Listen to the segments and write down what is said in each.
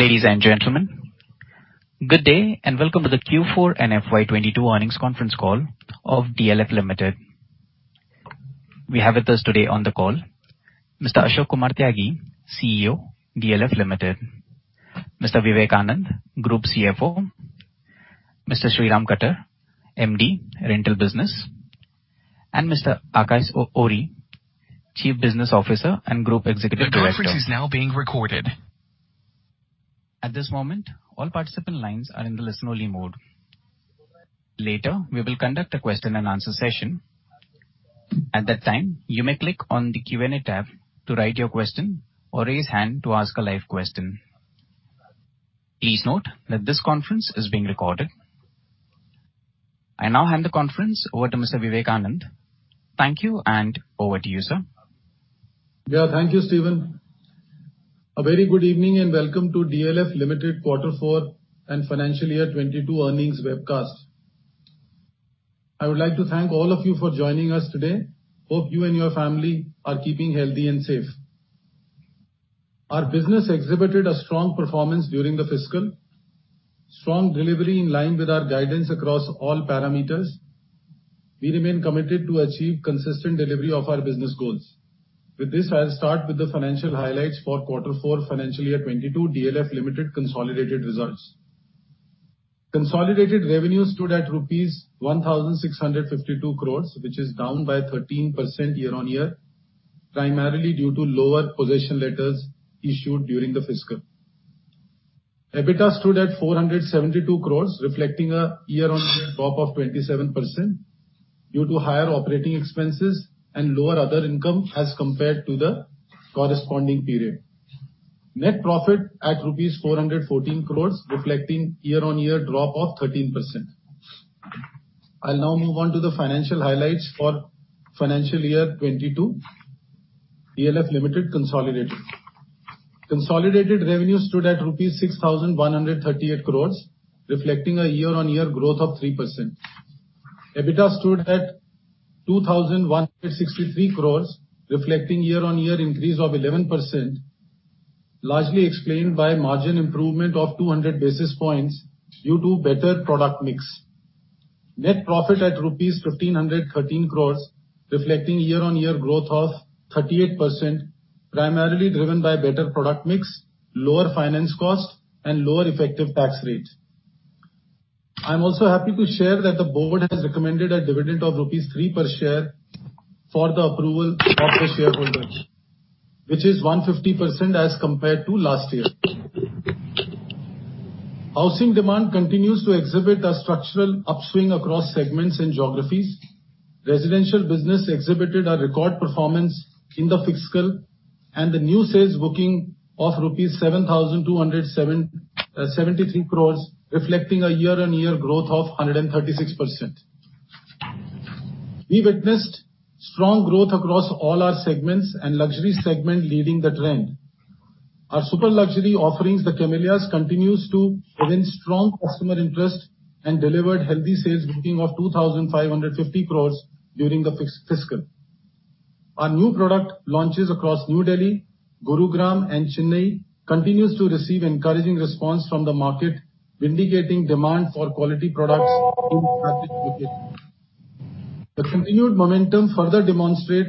Ladies and gentlemen, good day, and welcome to the Q4 and FY 2022 earnings conference call of DLF Limited. We have with us today on the call Mr. Ashok Kumar Tyagi, CEO, DLF Limited; Mr. Vivek Anand, Group CFO; Mr. Sriram Khattar, MD, Rental Business; and Mr. Aakash Ohri, Chief Business Officer and Group Executive Director. At this moment, all participant lines are in the listen-only mode. Later, we will conduct a Q&A session. At that time, you may click on the Q&A tab to write your question or raise hand to ask a live question. Please note that this conference is being recorded. I now hand the conference over to Mr. Vivek Anand. Thank you, and over to you, sir. Yeah, thank you, Steven. A very good evening and welcome to DLF Limited quarter four and financial year 2022 earnings webcast. I would like to thank all of you for joining us today. Hope you and your family are keeping healthy and safe. Our business exhibited a strong performance during the fiscal. Strong delivery in line with our guidance across all parameters. We remain committed to achieve consistent delivery of our business goals. With this, I'll start with the financial highlights for quarter four financial year 2022 DLF Limited consolidated results. Consolidated revenue stood at rupees 1,652 crores, which is down by 13% year-on-year, primarily due to lower possession letters issued during the fiscal. EBITDA stood at 472 crores, reflecting a year-on-year drop of 27% due to higher operating expenses and lower other income as compared to the corresponding period. Net profit at rupees 414 crore, reflecting year-on-year drop of 13%. I'll now move on to the financial highlights for financial year 2022, DLF Limited consolidated. Consolidated revenue stood at 6,138 crore rupees, reflecting year-on-year growth of 3%. EBITDA stood at 2,163 crore, reflecting year-on-year increase of 11%, largely explained by margin improvement of 200 basis points due to better product mix. Net profit at rupees 1,513 crore, reflecting year-on-year growth of 38%, primarily driven by better product mix, lower finance cost, and lower effective tax rates. I'm also happy to share that the board has recommended a dividend of rupees 3 per share for the approval of the shareholders, which is 150% as compared to last year. Housing demand continues to exhibit a structural upswing across segments and geographies. Residential business exhibited a record performance in the fiscal and the new sales bookings of rupees 7,273 crore, reflecting a year-on-year growth of 136%. We witnessed strong growth across all our segments, and luxury segment leading the trend. Our super luxury offerings, The Camellias, continues to evince strong customer interest and delivered healthy sales bookings of 2,550 crore during the fiscal. Our new product launches across New Delhi, Gurugram, and Chennai continues to receive encouraging response from the market, vindicating demand for quality products in strategic locations. The continued momentum further demonstrate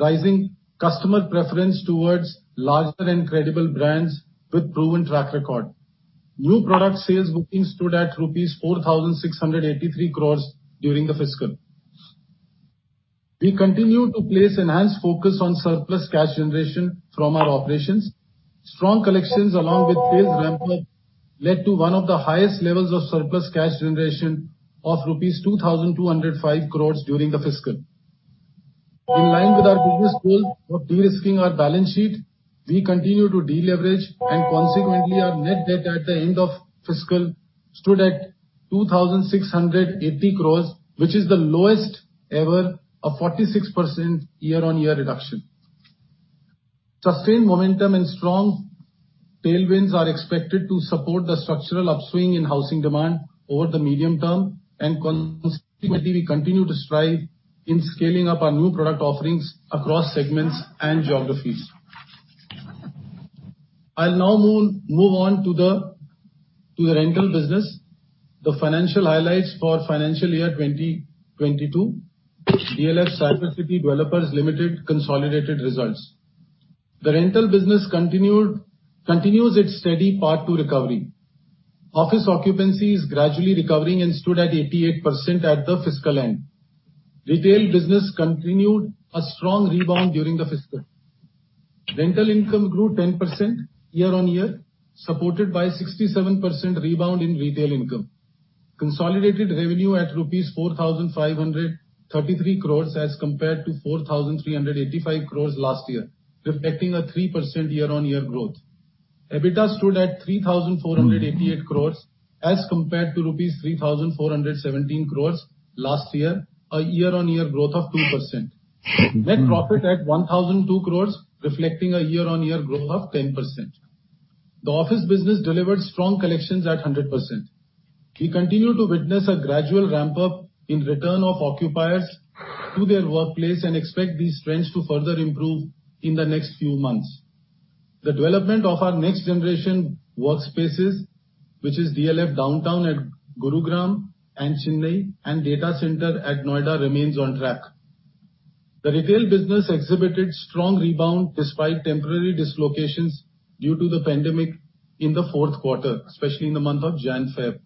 rising customer preference towards larger and credible brands with proven track record. New product sales bookings stood at rupees 4,683 crore during the fiscal. We continue to place enhanced focus on surplus cash generation from our operations. Strong collections along with phase ramp-up led to one of the highest levels of surplus cash generation of rupees 2,205 crores during the fiscal. In line with our business goal of de-risking our balance sheet, we continue to de-leverage, and consequently, our net debt at the end of fiscal stood at 2,680 crores, which is the lowest ever, a 46% year-on-year reduction. Sustained momentum and strong tailwinds are expected to support the structural upswing in housing demand over the medium term, and consequently we continue to strive in scaling up our new product offerings across segments and geographies. I'll now move on to the rental business. The financial highlights for financial year 2022, DLF Cybercity Developers Limited consolidated results. The rental business continues its steady path to recovery. Office occupancy is gradually recovering and stood at 88% at the fiscal end. Retail business continued a strong rebound during the fiscal. Rental income grew 10% year-on-year, supported by 67% rebound in retail income. Consolidated revenue at rupees 4,533 crores as compared to 4,385 crores last year, reflecting a 3% year-on-year growth. EBITDA stood at 3,488 crores as compared to rupees 3,417 crores last year, a year-on-year growth of 2%. Net profit at 1,002 crores, reflecting a year-on-year growth of 10%. The office business delivered strong collections at 100%. We continue to witness a gradual ramp up in return of occupiers to their workplace and expect these trends to further improve in the next few months. The development of our next generation workspaces, which is DLF Downtown at Gurugram and Chennai and Data Center at Noida, remains on track. The retail business exhibited strong rebound despite temporary dislocations due to the pandemic in the fourth quarter, especially in the month of January, February.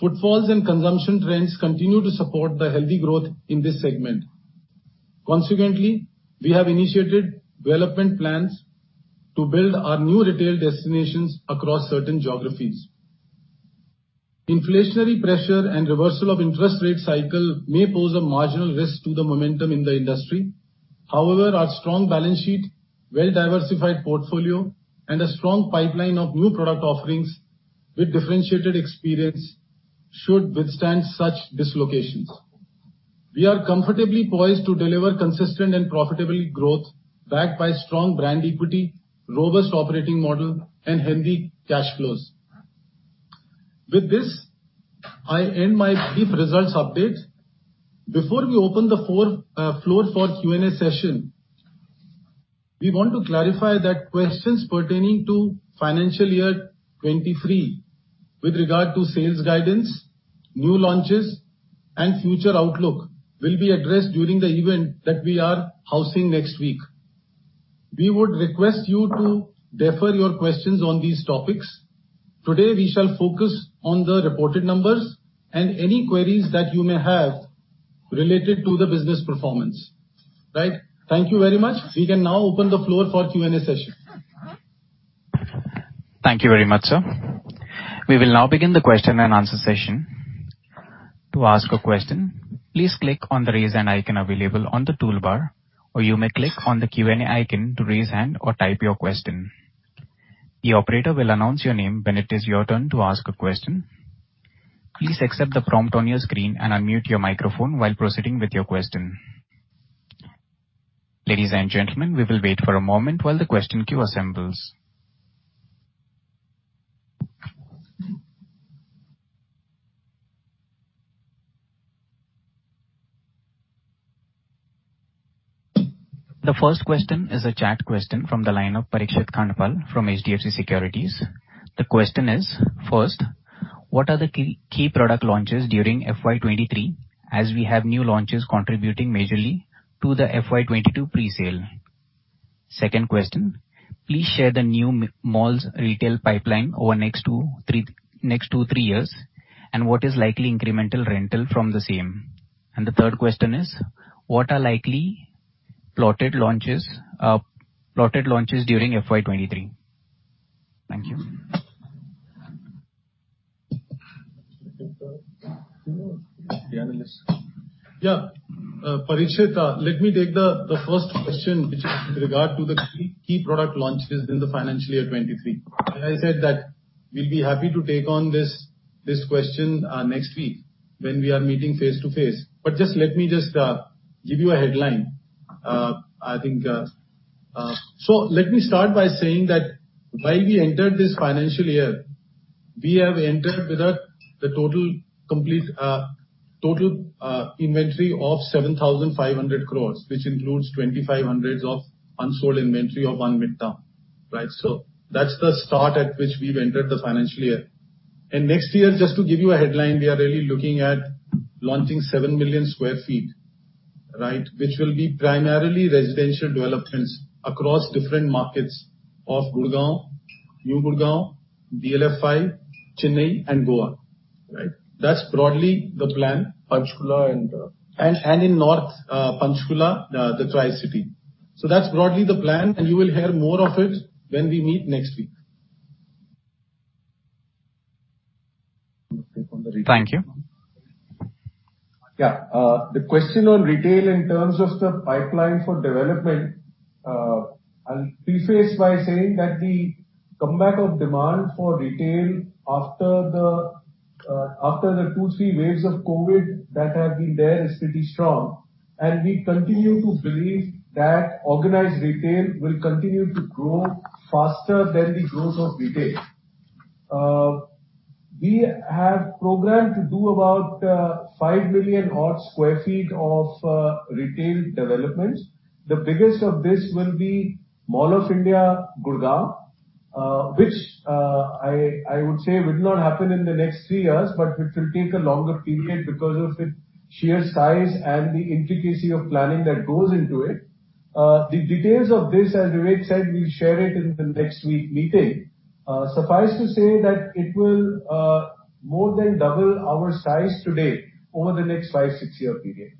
Footfalls and consumption trends continue to support the healthy growth in this segment. Consequently, we have initiated development plans to build our new retail destinations across certain geographies. Inflationary pressure and reversal of interest rate cycle may pose a marginal risk to the momentum in the industry. However, our strong balance sheet, well-diversified portfolio, and a strong pipeline of new product offerings with differentiated experience should withstand such dislocations. We are comfortably poised to deliver consistent and profitable growth backed by strong brand equity, robust operating model, and healthy cash flows. With this, I end my brief results update. Before we open the floor for Q&A session, we want to clarify that questions pertaining to financial year 2023 with regard to sales guidance, new launches and future outlook will be addressed during the event that we are hosting next week. We would request you to defer your questions on these topics. Today we shall focus on the reported numbers and any queries that you may have related to the business performance. Right. Thank you very much. We can now open the floor for Q&A session. Thank you very much, sir. We will now begin the Q&A session. To ask a question, please click on the Raise Hand icon available on the toolbar, or you may click on the Q&A icon to raise hand or type your question. The operator will announce your name when it is your turn to ask a question. Please accept the prompt on your screen and unmute your microphone while proceeding with your question. Ladies and gentlemen, we will wait for a moment while the question queue assembles. The first question is a chat question from the line of Parikshit Khandpal from HDFC Securities. The question is, first, what are the key product launches during FY 2023, as we have new launches contributing majorly to the FY 2022 presale? Second question, please share the new malls retail pipeline over next two, three years, and what is likely incremental rental from the same? The third question is what are likely plotted launches during FY 2023? Thank you. Yeah. Parikshit, let me take the first question, which is with regard to the key product launches in the financial year 2023. As I said that we'll be happy to take on this question next week when we are meeting face-to-face. Just let me give you a headline. Let me start by saying that while we entered this financial year, we have entered with the total complete inventory of 7,500 crores, which includes 2,500 crores of unsold inventory of DLF ONE Midtown, right? That's the start at which we've entered the financial year. Next year, just to give you a headline, we are really looking at launching 7 million sq ft, right? Which will be primarily residential developments across different markets of Gurgaon, New Gurgaon, DLF Phase V, Chennai and Goa, right. That's broadly the plan. Panchkula and- And in North Panchkula, the Tricity. That's broadly the plan, and you will hear more of it when we meet next week. Take on the retail. Thank you. The question on retail in terms of the pipeline for development, I'll preface by saying that the comeback of demand for retail after the two, three waves of COVID that have been there is pretty strong. We continue to believe that organized retail will continue to grow faster than the growth of retail. We have programmed to do about 5 million-odd sq ft of retail developments. The biggest of this will be DLF Mall of India, Gurgaon, which I would say will not happen in the next three years, but it will take a longer period because of its sheer size and the intricacy of planning that goes into it. The details of this, as Vivek said, we'll share it in the next week meeting. Suffice to say that it will more than double our size today over the next five-six-year period.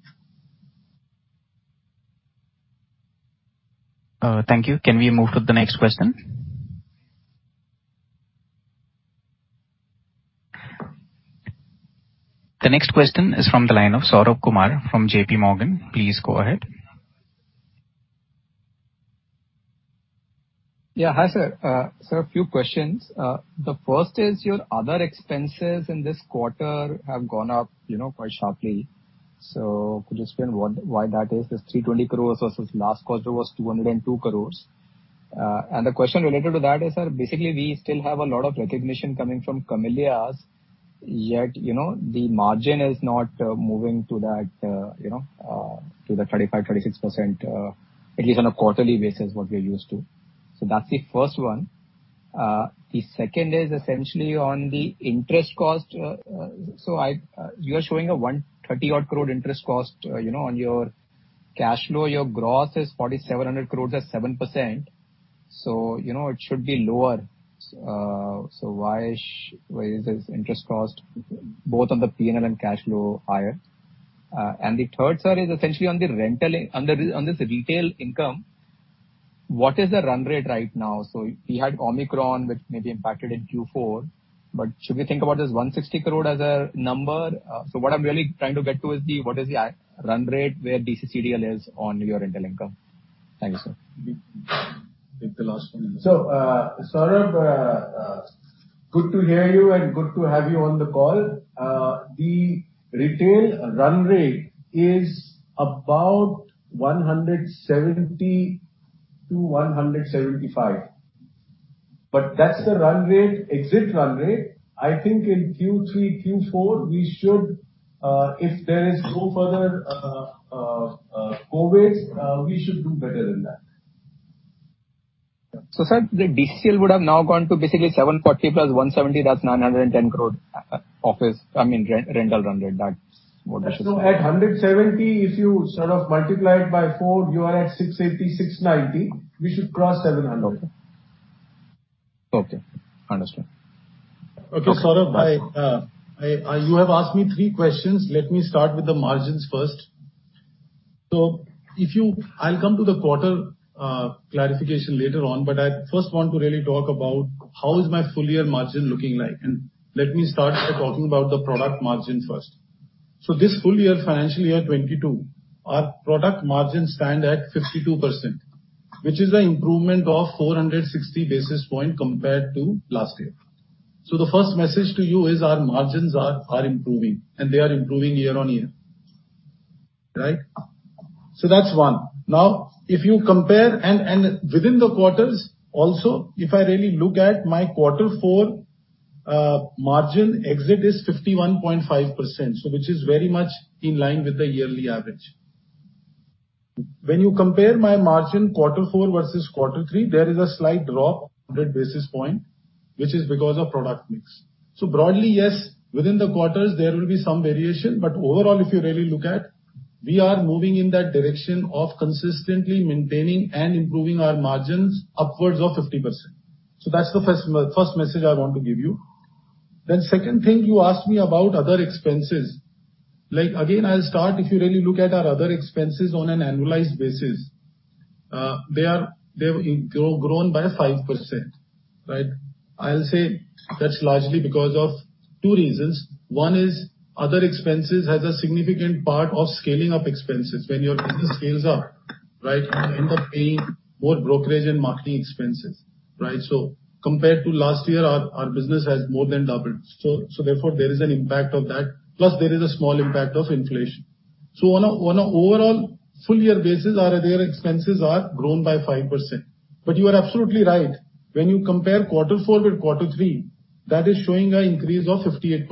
Thank you. Can we move to the next question? The next question is from the line of Saurabh Kumar from JPMorgan. Please go ahead. Yeah. Hi, sir. Sir, a few questions. The first is your other expenses in this quarter have gone up, you know, quite sharply. Could you explain why that is? It's 320 crores versus last quarter was 202 crores. And the question related to that is that basically we still have a lot of recognition coming from Camellias, yet, you know, the margin is not moving to that, you know, to the 35%-36%, at least on a quarterly basis, what we're used to. That's the first one. The second is essentially on the interest cost. You are showing a 130-odd crore interest cost, you know, on your cash flow. Your gross is 4,700 crores, that's 7%. You know, it should be lower. Why is this interest cost both on the P&L and cash flow higher? The third, sir, is essentially on the rental income. On this retail income, what is the run rate right now? We had Omicron, which maybe impacted in Q4, but should we think about this 160 crore as a number? What I'm really trying to get to is what is the run rate for DCCDL on your rental income? Thank you, sir. Take the last one. Saurabh, good to hear you and good to have you on the call. The retail run rate is about 170-175. That's the run rate, exit run rate. I think in Q3, Q4 we should, if there is no further COVID, we should do better than that. Sir, the DCCDL would have now gone to basically 740 plus 170, that's 910 crore office, I mean, re-rental run rate. That's what we should say. At 170, if you sort of multiply it by four, you are at 680, 690. We should cross 700. Okay. Understood. Okay, Saurabh. You have asked me three questions. Let me start with the margins first. I'll come to the quarter clarification later on, but I first want to really talk about how is my full year margin looking like. Let me start by talking about the product margin first. This full year, financial year 2022, our product margins stand at 52%, which is an improvement of 460 basis points compared to last year. The first message to you is our margins are improving, and they are improving year-on-year. Right. That's one. Within the quarters also, if I really look at my quarter four margin exit is 51.5%, which is very much in line with the yearly average. When you compare my margin quarter four versus quarter three, there is a slight drop, 100 basis points, which is because of product mix. Broadly, yes, within the quarters there will be some variation. Overall, if you really look at, we are moving in that direction of consistently maintaining and improving our margins upwards of 50%. That's the first me-first message I want to give you. Second thing, you asked me about other expenses. Like, again, I'll start, if you really look at our other expenses on an annualized basis, they've grown by 5%, right? I'll say that's largely because of two reasons. One is other expenses has a significant part of scaling up expenses. When your business scales up, right, you end up paying more brokerage and marketing expenses, right? Compared to last year, our business has more than doubled. Therefore there is an impact of that. Plus there is a small impact of inflation. On a overall full year basis, our other expenses are grown by 5%. You are absolutely right. When you compare quarter four with quarter three, that is showing an increase of 58%.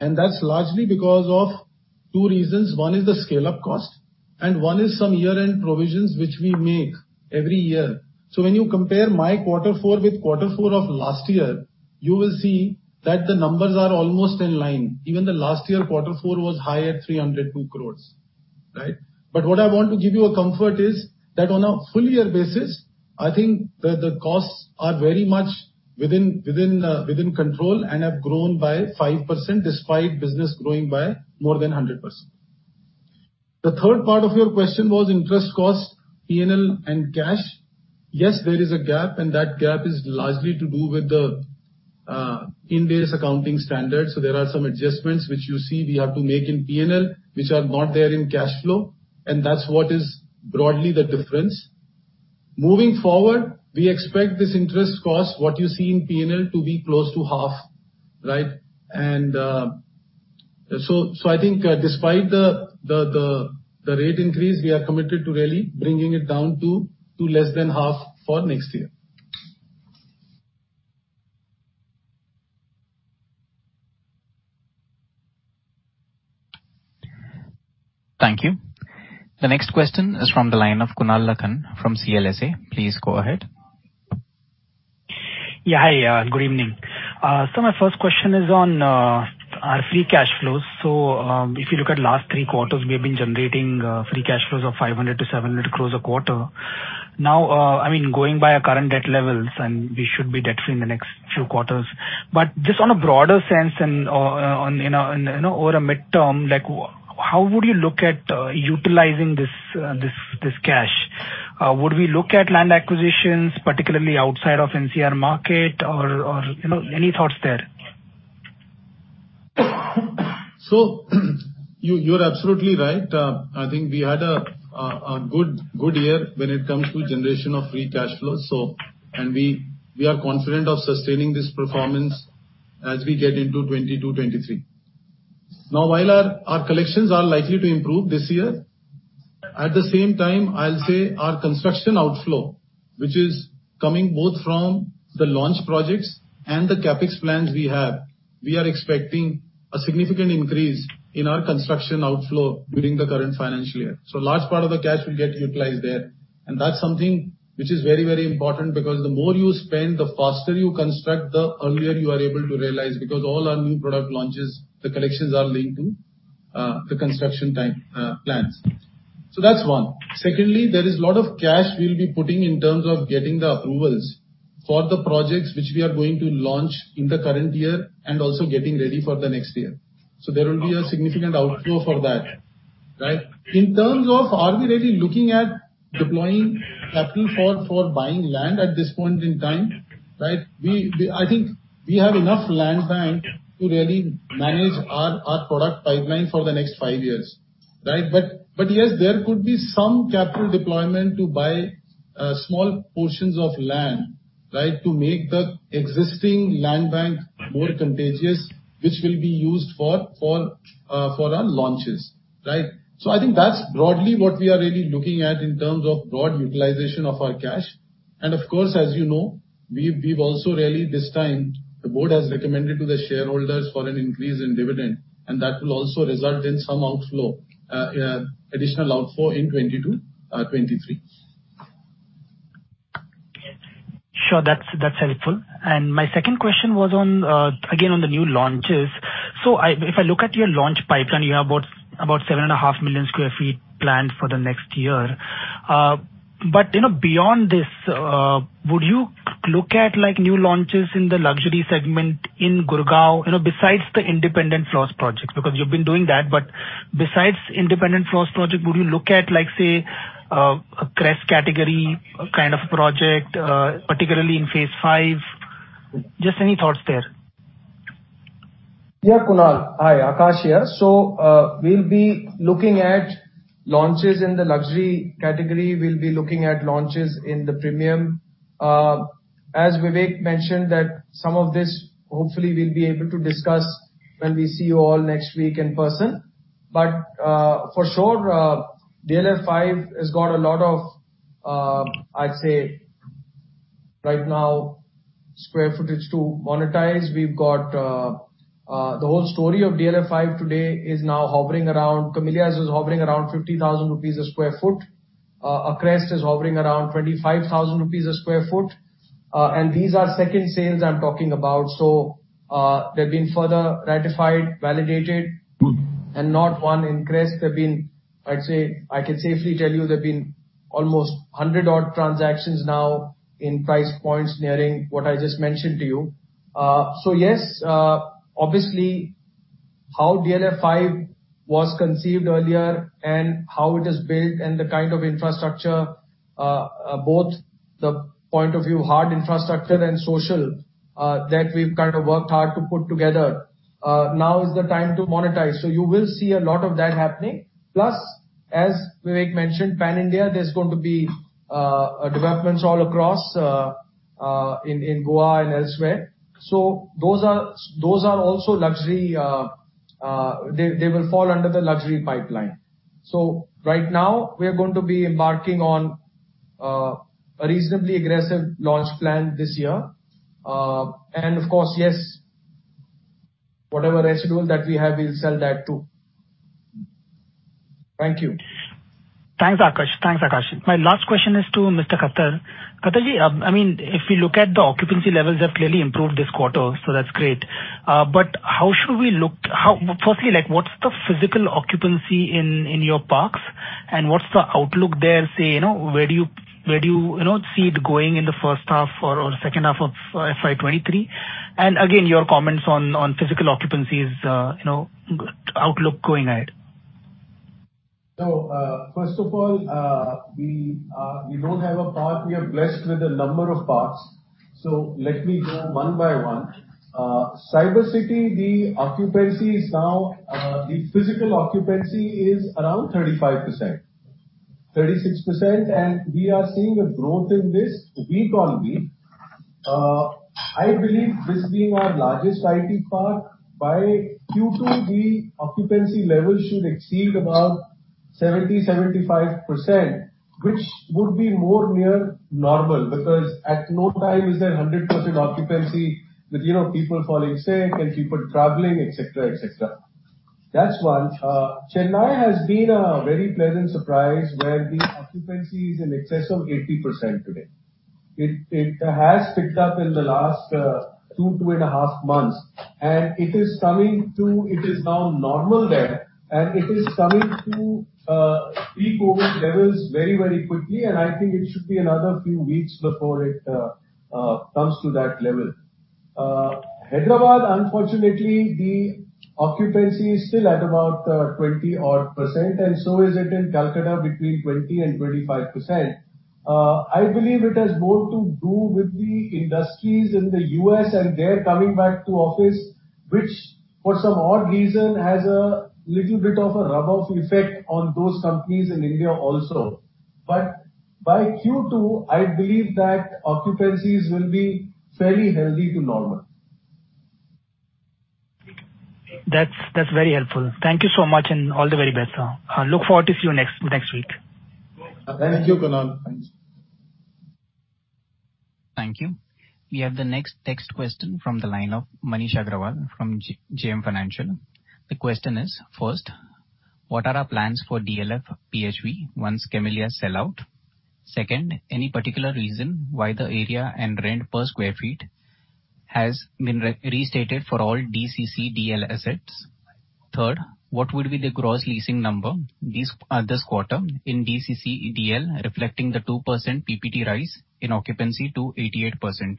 That's largely because of two reasons. One is the scale-up cost, and one is some year-end provisions which we make every year. When you compare my quarter four with quarter four of last year, you will see that the numbers are almost in line. Even the last year, quarter four was high at 302 crore, right? What I want to give you a comfort is that on a full year basis, I think the costs are very much within control and have grown by 5% despite business growing by more than 100%. The third part of your question was interest cost, P&L and cash. Yes, there is a gap, and that gap is largely to do with Ind AS accounting standards. There are some adjustments which you see we have to make in P&L, which are not there in cash flow, and that's what is broadly the difference. Moving forward, we expect this interest cost, what you see in P&L, to be close to half, right? I think despite the rate increase, we are committed to really bringing it down to less than half for next year. Thank you. The next question is from the line of Kunal Lakhan from CLSA. Please go ahead. Yeah. Hi. Good evening. My first question is on our free cash flows. If you look at last three quarters, we have been generating free cash flows of 500 crores-700 crores a quarter. Now, I mean, going by our current debt levels, and we should be debt free in the next few quarters. Just on a broader sense and on, you know, over a medium term, like, how would you look at utilizing this cash? Would we look at land acquisitions, particularly outside of NCR market or, you know, any thoughts there? You're absolutely right. I think we had a good year when it comes to generation of free cash flow. We are confident of sustaining this performance as we get into 2022, 2023. Now, while our collections are likely to improve this year, at the same time, I'll say our construction outflow, which is coming both from the launch projects and the CapEx plans we have, we are expecting a significant increase in our construction outflow during the current financial year. Large part of the cash will get utilized there. That's something which is very important because the more you spend, the faster you construct, the earlier you are able to realize. All our new product launches, the collections are linked to the construction time plans. That's one. Secondly, there is a lot of cash we'll be putting in terms of getting the approvals for the projects which we are going to launch in the current year and also getting ready for the next year. There will be a significant outflow for that, right? In terms of, are we really looking at deploying capital for buying land at this point in time, right? I think we have enough land bank to really manage our product pipeline for the next five years, right? Yes, there could be some capital deployment to buy small portions of land, right? To make the existing land bank more contiguous, which will be used for our launches, right? I think that's broadly what we are really looking at in terms of broad utilization of our cash. Of course, as you know, we've also really this time the board has recommended to the shareholders for an increase in dividend, and that will also result in some outflow, additional outflow in 2022, 2023. Sure. That's helpful. My second question was on, again, on the new launches. If I look at your launch pipeline, you have about 7.5 million sq ft planned for the next year. You know, beyond this, would you look at like new launches in the luxury segment in Gurgaon, you know, besides the independent floors' projects? Because you've been doing that, but besides independent floors project, would you look at like, say, a Crest category kind of project, particularly in Phase V? Just any thoughts there. Yeah, Kunal. Hi. Aakash here. We'll be looking at launches in the luxury category. We'll be looking at launches in the premium. As Vivek mentioned that some of this hopefully, we'll be able to discuss when we see you all next week in person. For sure, DLF Phase V has got a lot of, I'd say right now square footage to monetize. We've got, the whole story of DLF Phase V today is now hovering around. The Camellias is hovering around 50,000 rupees a sq ft. The Crest is hovering around 25,000 rupees a sq ft. And these are second sales I'm talking about. They've been further ratified, validated, and not one increase. They've been, I'd say. I can safely tell you they've been almost 100-odd transactions now in price points nearing what I just mentioned to you. Yes, obviously how DLF Phase V was conceived earlier and how it is built and the kind of infrastructure, both points of view, hard infrastructure and social, that we've kind of worked hard to put together, now is the time to monetize. You will see a lot of that happening. Plus, as Vivek mentioned, pan-India, there's going to be developments all across, in Goa and elsewhere. Those are also luxury, they will fall under the luxury pipeline. Right now we are going to be embarking on a reasonably aggressive launch plan this year. And of course, whatever residual that we have, we'll sell that too. Thank you. Thanks, Aakash. My last question is to Mr. Khattar. Khattar, I mean, if we look at the occupancy levels, they've clearly improved this quarter, so that's great. Firstly, like, what's the physical occupancy in your parks, and what's the outlook there? Say, you know, where do you see it going in the first half or second half of FY 2023? Again, your comments on physical occupancies, you know, outlook going ahead. First of all, we don't have a park. We are blessed with a number of parks. Let me go one by one. Cybercity, the occupancy is now, the physical occupancy is around 35%-36%, and we are seeing a growth in this week-on-week. I believe this being our largest IT park, by Q2 the occupancy levels should exceed about 70%-75%, which would be more near normal, because at no time is there a 100% occupancy with, you know, people falling sick and people traveling, et cetera, et cetera. That's one. Chennai has been a very pleasant surprise where the occupancy is in excess of 80% today. It has picked up in the last two and a half months. It is coming to. It is now normal there, and it is coming to pre-COVID levels very, very quickly, and I think it should be another few weeks before it comes to that level. Hyderabad, unfortunately, the occupancy is still at about 20-odd%, and so is it in Calcutta between 20%-25%. I believe it has more to do with the industries in the U.S. and they're coming back to office, which for some odd reason has a little bit of a rub-off effect on those companies in India also. By Q2, I believe that occupancies will be fairly healthy to normal. That's very helpful. Thank you so much, and all the very best. I look forward to see you next week. Thank you, Kunal. Thank you. We have the next text question from the line of Manish Agrawal from JM Financial. The question is, first, what are our plans for DLF Phase V once The Camellias sell out? Second, any particular reason why the area and rent per square feet has been restated for all DCCDL assets? Third, what would be the gross leasing number this quarter in DCCDL reflecting the 2 percentage points rise in occupancy to 88%?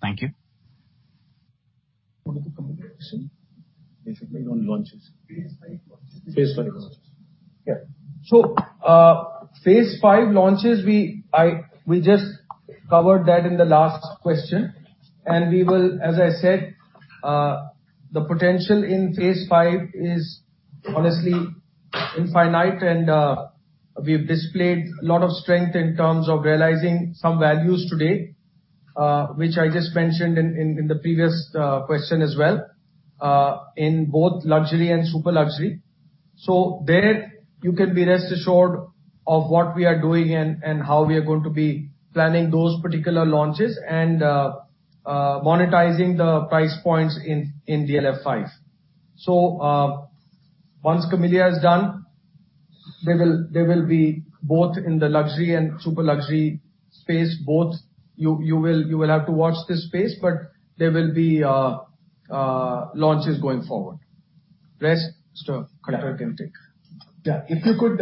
Thank you. What is the company question? Basically on launches. Phase V launches. Phase V launches. Yeah. Phase V launches, we just covered that in the last question, and we will, as I said, the potential in Phase V is honestly infinite and we've displayed a lot of strength in terms of realizing some values today, which I just mentioned in the previous question as well, in both luxury and super luxury. There you can be rest assured of what we are doing and how we are going to be planning those particular launches and monetizing the price points in DLF Phase V. Once The Camellias is done, there will be both in the luxury and super luxury space. You will have to watch this space, but there will be launches going forward. Rest, Mr. Khattar can take. Yeah. If you could,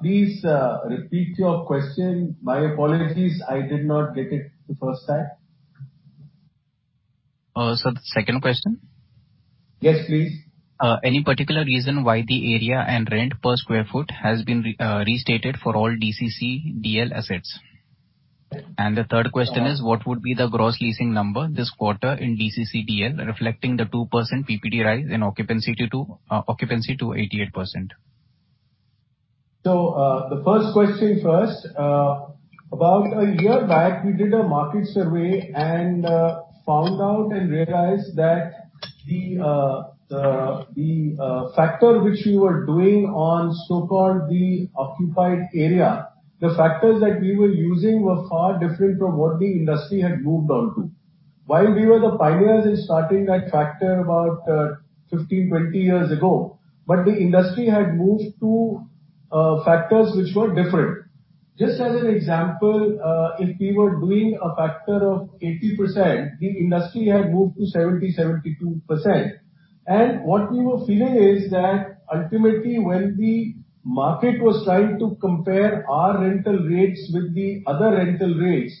please, repeat your question. My apologies. I did not get it the first time. Sir, the second question. Yes, please. Any particular reason why the area and rent per square foot has been restated for all DCCDL assets? The third question is What would be the gross leasing number this quarter in DCCDL reflecting the 2 percentage points rise in occupancy to 88%? The first question first. About a year back we did a market survey and found out and realized that the factor which we were doing on so-called occupied area, the factors that we were using were far different from what the industry had moved on to. While we were the pioneers in starting that factor about 15, 20 years ago, but the industry had moved to factors which were different. Just as an example, if we were doing a factor of 80%, the industry had moved to 70%-72%. What we were feeling is that ultimately when the market was trying to compare our rental rates with the other rental rates,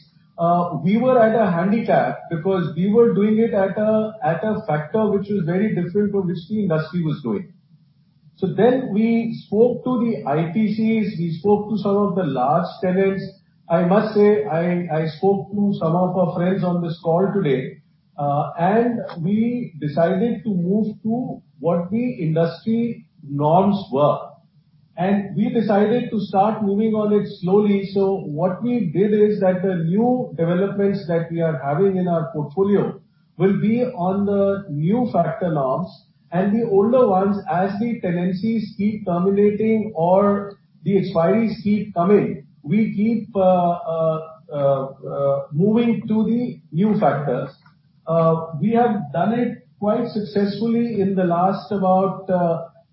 we were at a handicap because we were doing it at a factor which was very different from which the industry was doing. We spoke to the IPCs, we spoke to some of the large tenants. I must say I spoke to some of our friends on this call today. We decided to move to what the industry norms were. We decided to start moving on it slowly. What we did is that the new developments that we are having in our portfolio will be on the new factor norms and the older ones, as the tenancies keep terminating or the expiries keep coming, we keep moving to the new factors. We have done it quite successfully in the last about,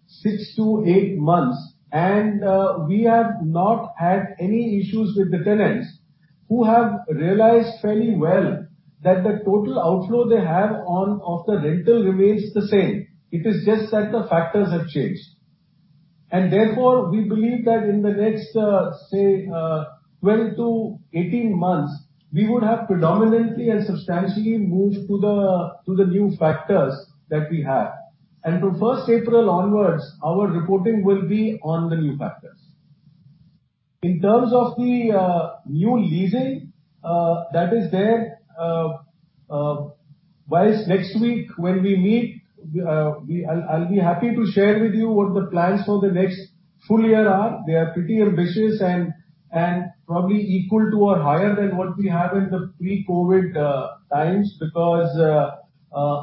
six months to eight months. We have not had any issues with the tenants who have realized fairly well that the total outflow they have on of the rental remains the same. It is just that the factors have changed. Therefore, we believe that in the next, say, 12 months-18 months, we would have predominantly and substantially moved to the new factors that we have. From April 1st onwards, our reporting will be on the new factors. In terms of the new leasing that is there, while next week when we meet, I'll be happy to share with you what the plans for the next full year are. They are pretty ambitious and probably equal to or higher than what we have in the pre-COVID times because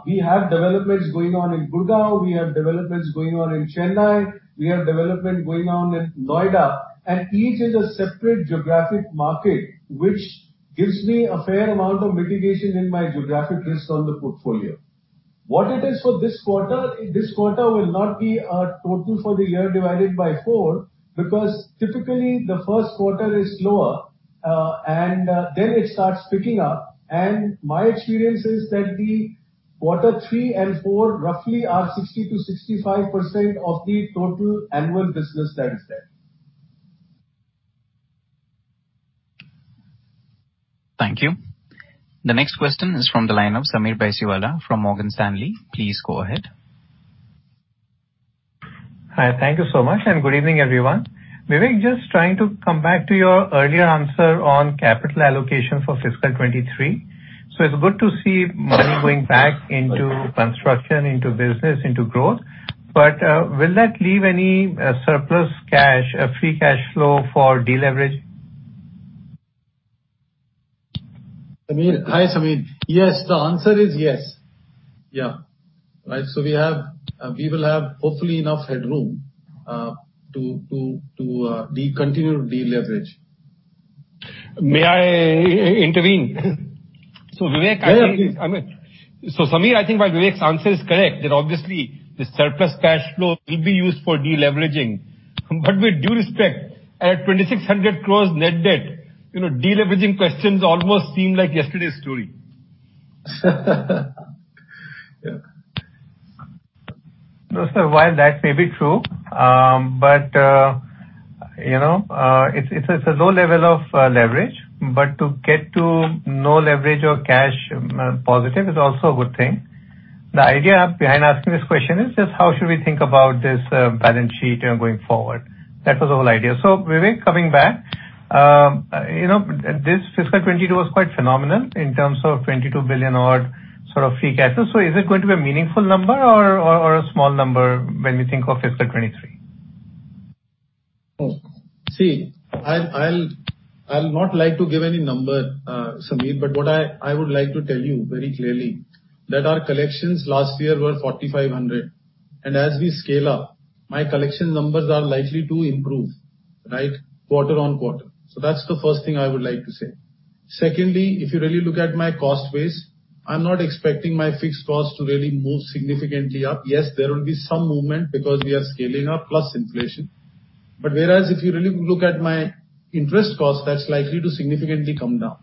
we have developments going on in Gurgaon, we have developments going on in Chennai, we have development going on in Noida, and each is a separate geographic market, which gives me a fair amount of mitigation in my geographic risk on the portfolio. What it is for this quarter, this quarter will not be our total for the year divided by four because typically the first quarter is slower, and then it starts picking up. My experience is that the quarter three and four roughly are 60%-65% of the total annual business that is there. Thank you. The next question is from the line of Sameer Baisiwala from Morgan Stanley. Please go ahead. Hi, thank you so much, and good evening, everyone. Vivek, just trying to come back to your earlier answer on capital allocation for fiscal 2023. It's good to see money going back into construction, into business, into growth. Will that leave any surplus cash, free cash flow for deleverage? Sameer. Hi, Sameer. Yes. The answer is yes. Yeah. Right. We will have hopefully enough headroom to continue to deleverage. May I intervene? Vivek, I think. Yeah, yeah, please. I mean, Sameer, I think while Vivek's answer is correct, that obviously the surplus cash flow will be used for deleveraging. With due respect, at 2,600 crores net debt, you know, deleveraging questions almost seem like yesterday's story. Yeah. No, sir, while that may be true, but you know, it's a low level of leverage. To get to no leverage or cash positive is also a good thing. The idea behind asking this question is just how should we think about this balance sheet, you know, going forward. That was the whole idea. Vivek, coming back, you know, this fiscal 2022 was quite phenomenal in terms of 22 billion odd sort of free cash flow. Is it going to be a meaningful number or a small number when we think of fiscal 2023? See, I'll not like to give any number, Sameer, but what I would like to tell you very clearly that our collections last year were 4,500 crore. As we scale up, my collection numbers are likely to improve, right? Quarter-on-quarter. That's the first thing I would like to say. Secondly, if you really look at my cost base, I'm not expecting my fixed cost to really move significantly up. Yes, there will be some movement because we are scaling up, plus inflation. But whereas if you really look at my interest cost, that's likely to significantly come down.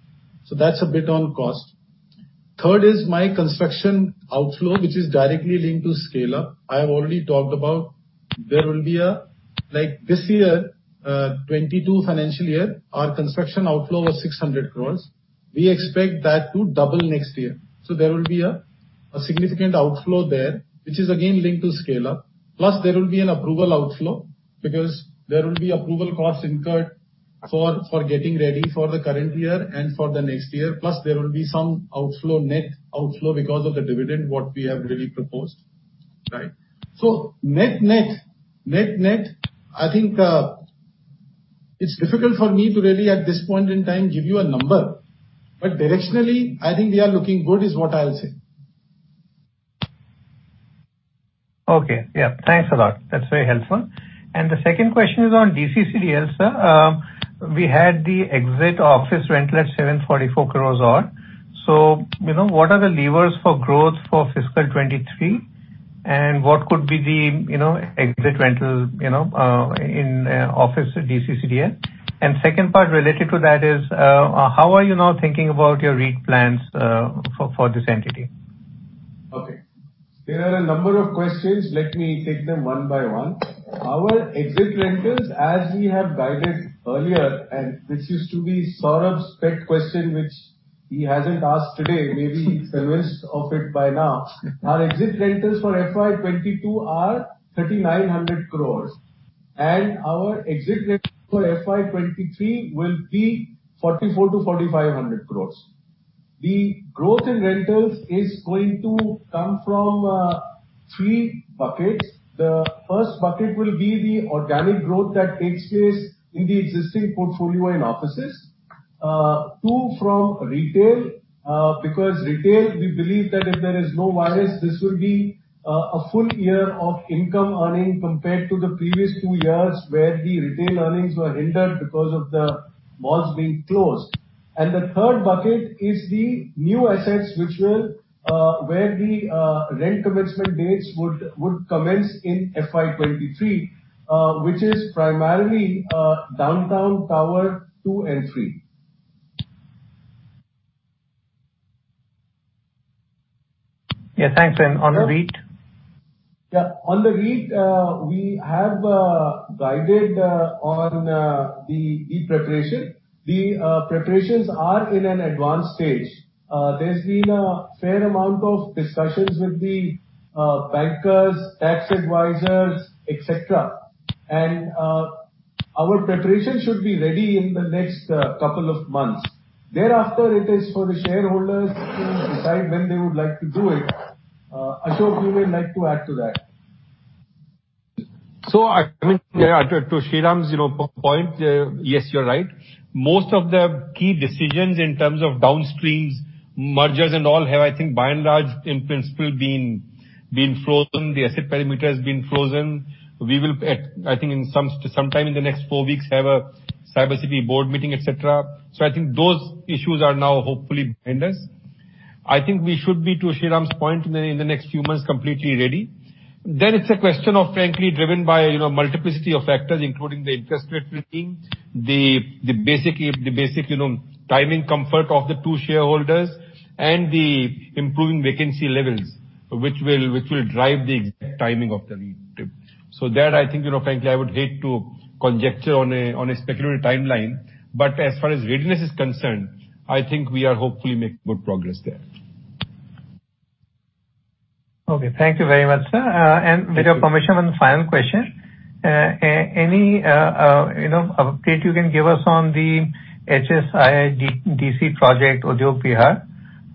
That's a bit on cost. Third is my construction outflow, which is directly linked to scale up. I have already talked about. Like this year, FY 2022, our construction outflow was 600 crore. We expect that to double next year. There will be a significant outflow there, which is again linked to scale up. Plus there will be an approval outflow because there will be approval costs incurred for getting ready for the current year and for the next year. Plus there will be some outflow, net outflow because of the dividend, what we have really proposed, right? Net-net, I think it's difficult for me to really at this point in time give you a number, but directionally, I think we are looking good is what I'll say. Okay. Yeah. Thanks a lot. That's very helpful. The second question is on DCCDL, sir. We had the exit office rental at 744 crores odd. You know, what are the levers for growth for fiscal 2023? What could be the, you know, exit rental, you know, in office DCCDL? Second part related to that is, how are you now thinking about your REIT plans, for this entity? Okay. There are a number of questions. Let me take them one by one. Our exit rentals, as we have guided earlier, and this used to be Saurabh's pet question, which he hasn't asked today. Maybe he's convinced of it by now. Our exit rentals for FY 2022 are 3,900 crores, and our exit rentals for FY 2023 will be 4,400 crores-4,500 crores. The growth in rentals is going to come from three buckets. The first bucket will be the organic growth that takes place in the existing portfolio in offices. Two from retail, because retail, we believe that if there is no virus, this will be a full year of income earning compared to the previous two years where the retail earnings were hindered because of the malls being closed. The third bucket is the new assets where the rent commencement dates would commence in FY 2023, which is primarily DLF Downtown Tower 2 and 3. Yeah. Thanks. On the REIT? Yeah. On the REIT, we have guided on the preparation. The preparations are in an advanced stage. There's been a fair amount of discussions with the bankers, tax advisors, et cetera. Our preparation should be ready in the next couple of months. Thereafter, it is for the shareholders to decide when they would like to do it. Ashok, you may like to add to that. I mean, to Sriram's point, yes, you're right. Most of the key decisions in terms of downstream, mergers and all have, I think by and large, in principle, been frozen. The asset perimeter has been frozen. We will at, I think in some time in the next four weeks, have a Cybercity board meeting, et cetera. I think those issues are now hopefully behind us. I think we should be, to Sriram's point, in the next few months, completely ready. Then it's a question of frankly driven by, you know, multiplicity of factors, including the interest rate regime, the basic timing comfort of the two shareholders and the improving vacancy levels, which will drive the exact timing of the REIT. There, I think, you know, frankly, I would hate to conjecture on a speculative timeline, but as far as readiness is concerned, I think we are hopefully making good progress there. Okay. Thank you very much, sir. Thank you. With your permission, one final question. Any you know update you can give us on the HSIIDC project,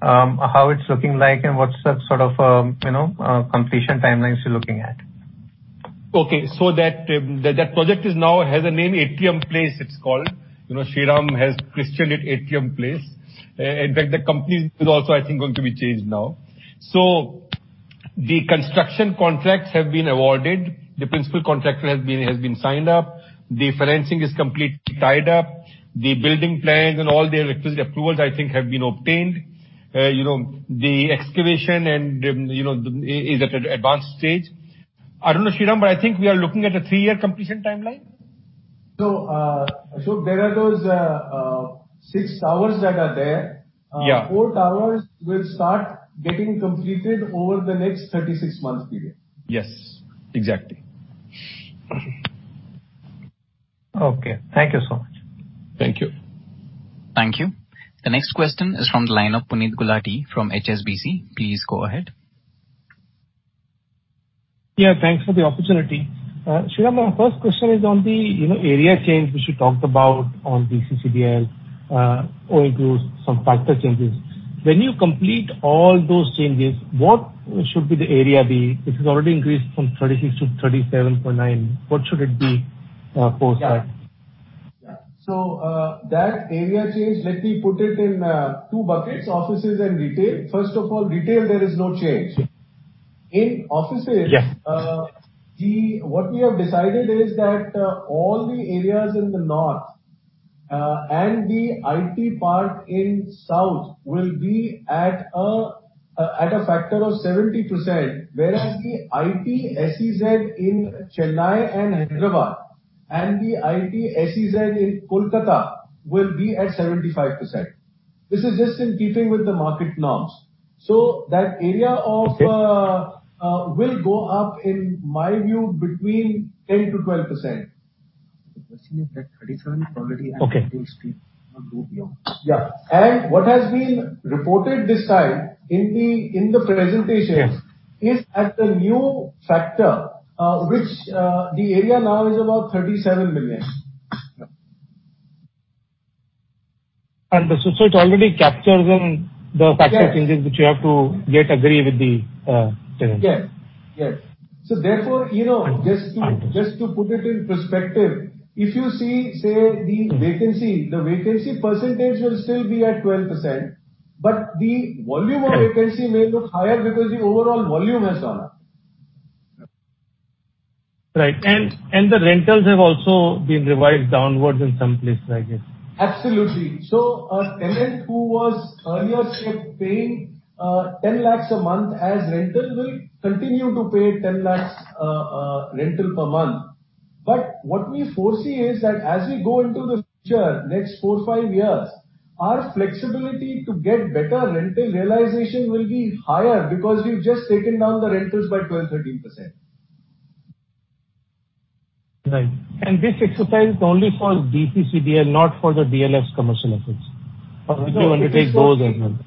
how it's looking like and what's the sort of, you know, completion timelines you're looking at? Okay. That project now has a name, The Grove, it's called. You know, Sriram has christened it The Grove. In fact, the company is also, I think, going to be changed now. The construction contracts have been awarded. The principal contractor has been signed up. The financing is completely tied up. The building plans and all the requisite approvals, I think, have been obtained. You know, the excavation is at an advanced stage. I don't know, Sriram, but I think we are looking at a three-year completion timeline. Ashok, there are those six towers that are there. Yeah. Four towers will start getting completed over the next 36-month period. Yes, exactly. Okay. Thank you so much. Thank you. Thank you. The next question is from the line of Puneet Gulati from HSBC. Please go ahead. Yeah, thanks for the opportunity. Sriram, my first question is on the, you know, area change which you talked about on DCCDL, which includes some factor changes. When you complete all those changes, what should the area be? It is already increased from 36-37.9. What should it be post that? That area change, let me put it in two buckets, offices and retail. First of all, retail, there is no change. In offices. Yes What we have decided is that all the areas in the north and the IT park in south will be at a factor of 70%, whereas the IT SEZ in Chennai and Hyderabad, and the IT SEZ in Kolkata will be at 75%. This is just in keeping with the market norms. That area of will go up in my view between 10%-12%. The question is that 37 is already at Okay. Yeah. What has been reported this time in the presentations is at the new sector, which the area now is about 37 million. That's already captured in the factor changes Which you have to get agreement with the tenants. Yes. Therefore, you know. Understood. Just to put it in perspective, if you see, say, the vacancy percentage will still be at 12%, but the volume of vacancy may look higher because the overall volume has gone up. Right. The rentals have also been revised downwards in some places, I guess. Absolutely. A tenant who was earlier say paying 10 lakhs a month as rental will continue to pay 10 lakhs rental per month. What we foresee is that as we go into the future, next four, five years, our flexibility to get better rental realization will be higher because we've just taken down the rentals by 12%-13%. Right. This exercise is only for DCCDL, not for the DLF commercial assets? Or would you undertake those as well? No,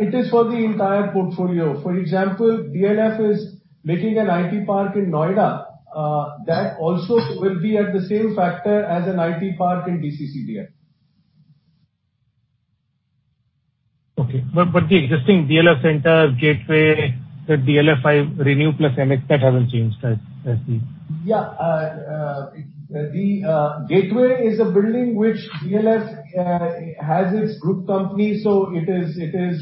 it is for the entire portfolio. For example, DLF is making an IT park in Noida, that also will be at the same factor as an IT park in DCCDL. Okay. The existing DLF Centre, Gateway, the DLF Phase V, and Renew Plus Annex haven't changed, right? I see. Yeah. The Gateway is a building which DLF has its group company, so it is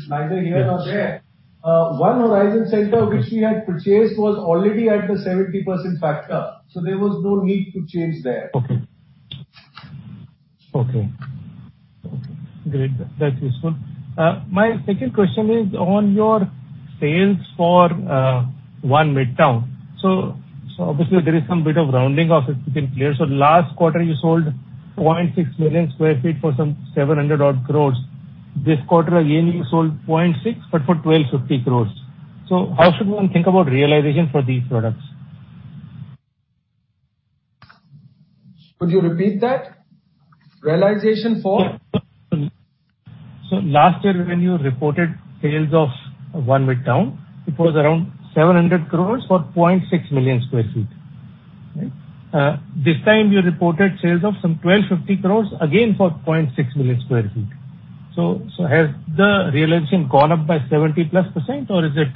neither here nor there. Yes. One Horizon Center which we had purchased was already at the 70% factor, so there was no need to change there. Okay, great. That's useful. My second question is on your sales for ONE Midtown. Obviously there is some bit of rounding off if we can clear. Last quarter you sold 0.6 million sq ft for 700-odd crore. This quarter again you sold 0.6, but for 1,250 crore. How should one think about realization for these products? Could you repeat that? Realization for? Last year when you reported sales of ONE Midtown, it was around 700 crore for 0.6 million sq ft. Right? This time you reported sales of some 1,250 crore again for 0.6 million sq ft. Has the realization gone up by 70%+ or is it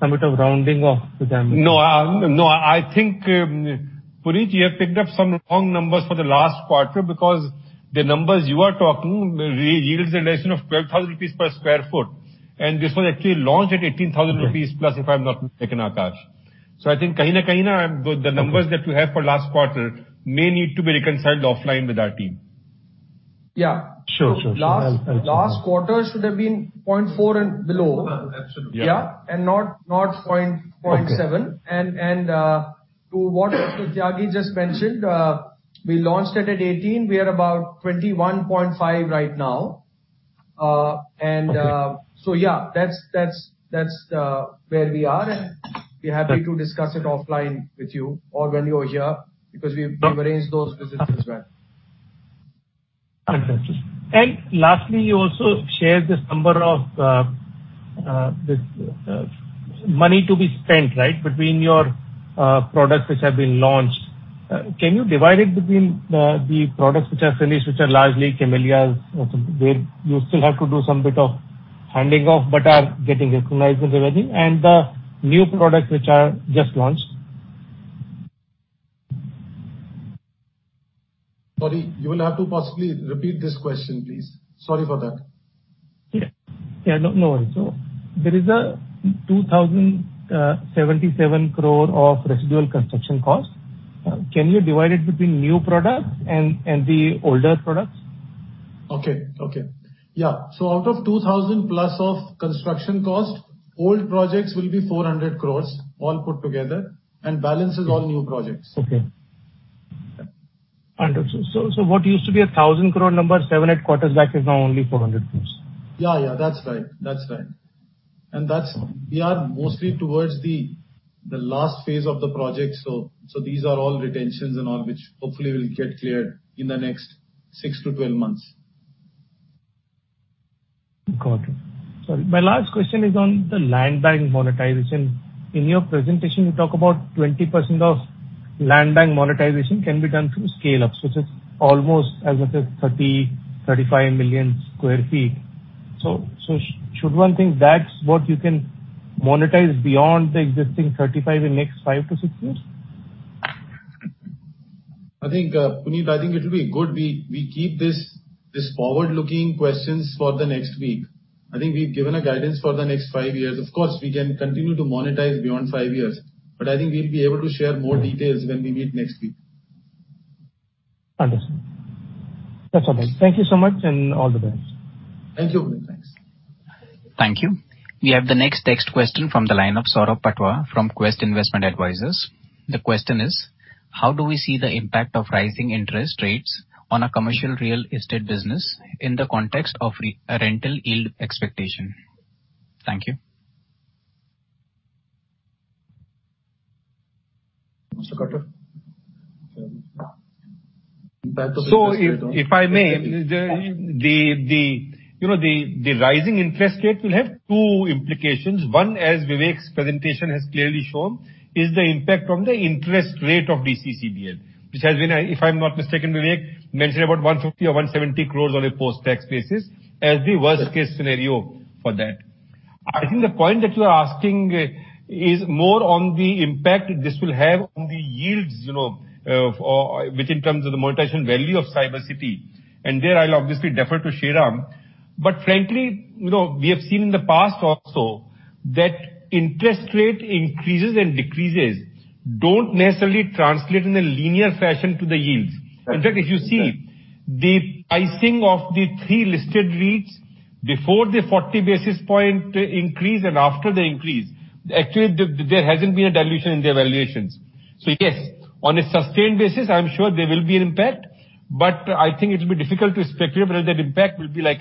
some bit of rounding off with them? No, I think, Puneet, you have picked up some wrong numbers for the last quarter because the numbers you are talking yields a realization of 12,000 rupees per sq ft, and this was actually launched at 18,000+ rupees If I'm not mistaken, Aakash. I think the numbers that you have for last quarter may need to be reconciled offline with our team. Yeah. Sure. I'll do that. Last quarter should have been 0.4% and below. Absolutely. Yeah. Yeah. Not 0.7. Okay. To what Mr. Tyagi just mentioned, we launched it at 18. We are about 21.5 right now. Okay. Yeah, that's where we are. Right. We're happy to discuss it offline with you or when you are here, because we've arranged those visits as well. Understood. Lastly, you also shared this number of money to be spent, right? Between your products which have been launched. Can you divide it between the products which are finished, which are largely Camellias or some, where you still have to do some bit of handing off, but are getting recognized and everything, and the new products which are just launched. Sorry, you will have to possibly repeat this question, please. Sorry for that. Yeah. No, no worries. There is 2,077 crore of residual construction costs. Can you divide it between new products and the older products? Out of 2,000+ crore of construction costs, old projects will be 400 crore all put together, and balance is all new projects. Okay. Understood. What used to be 1,000 crore number seven-eight quarters back is now only 400 crores. Yeah. That's right. We are mostly toward the last phase of the project. These are all retentions and all, which hopefully will get cleared in the next six months to 12 months. Got it. My last question is on the land bank monetization. In your presentation, you talk about 20% of land bank monetization can be done through scale-ups, which is almost as much as 35 million sq ft. Should one think that's what you can monetize beyond the existing 35 in next five years to six years? I think, Puneet, I think it will be good we keep this forward-looking questions for the next week. I think we've given a guidance for the next five years. Of course, we can continue to monetize beyond five years, but I think we'll be able to share more details when we meet next week. Understood. That's all then. Thank you so much and all the best. Thank you. Thanks. Thank you. We have the next text question from the line of Saurabh Patwa from Quest Investment Advisors. The question is: How do we see the impact of rising interest rates on a commercial real estate business in the context of re-rental yield expectation? Thank you. Mr. Khattar? If I may, you know, the rising interest rate will have two implications. One, as Vivek's presentation has clearly shown, is the impact from the interest rate of DCCDL, which has been, if I'm not mistaken, Vivek mentioned about 150 crores or 170 crores on a post-tax basis as the worst case scenario for that. I think the point that you are asking is more on the impact this will have on the yields, you know, or which in terms of the monetization value of Cybercity, and there I'll obviously defer to Sriram. Frankly, you know, we have seen in the past also that interest rate increases and decreases don't necessarily translate in a linear fashion to the yields. In fact, if you see the pricing of the three listed REITs before the 40 basis point increase and after the increase, actually there hasn't been a dilution in their valuations. Yes, on a sustained basis, I am sure there will be an impact, but I think it will be difficult to speculate whether that impact will be like